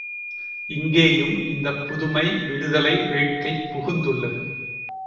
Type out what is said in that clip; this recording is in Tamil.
இங்கேயும் இந்தப் புதுமை, விடுதலை வேட்கை புகுந்துள்ளது.